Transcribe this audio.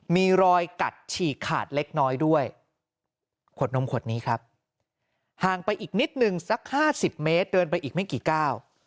มีรอยกัดฉีกขาดเล็กน้อยด้วยขวดนมขวดนี้ครับห่างไปอีกนิดหนึ่งสักห้าสิบเมตรเดินไปอีกไม่กี่ก้าว